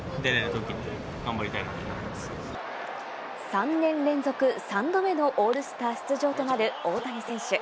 ３年連続３度目のオールスター出場となる大谷選手。